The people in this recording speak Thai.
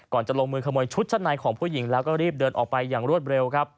จะลงมือขโมยชุดชั้นในของผู้หญิงแล้วก็รีบเดินออกไปอย่างรวดเร็วครับ